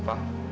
cepetan ya ibu